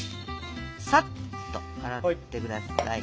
さっと洗って下さい。